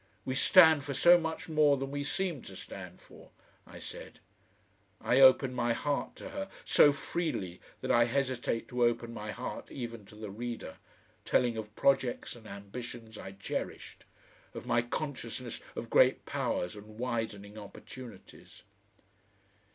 "We stand for so much more than we seem to stand for," I said. I opened my heart to her, so freely that I hesitate to open my heart even to the reader, telling of projects and ambitions I cherished, of my consciousness of great powers and widening opportunities....